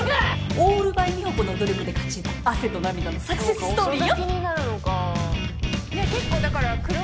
オールバイ美保子の努力で勝ち得た汗と涙のサクセスストーリーよ。